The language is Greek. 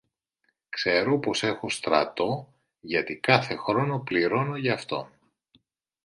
Ξέρω πως έχω στρατό, γιατί κάθε χρόνο πληρώνω γι' αυτόν.